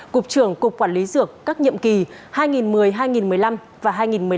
cục trưởng cục quản lý dược các nhiệm kỳ hai nghìn một mươi hai nghìn một mươi năm và hai nghìn một mươi năm hai nghìn hai mươi